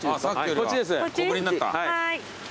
こっちです。